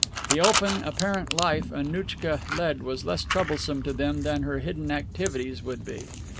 The open, apparent life Annouchka led was less troublesome to them than her hidden activities would be.